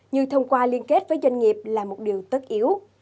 như thông qua liên kết với doanh nghiệp là một điều tất yếu